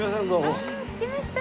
ああ着きました。